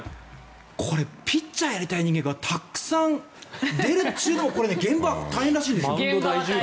これ、ピッチャーやりたい人間がたくさん出るってこれ、現場は大変らしいですよ。